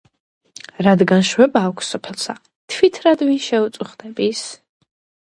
რათგან შვება აქვს სოფელსა, თვით რად ვინ შეუწუხდების?